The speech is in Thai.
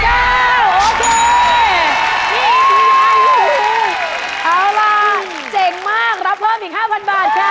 เอาล่ะเจ๋งมากรับเพิ่มอีก๕๐๐บาทค่ะ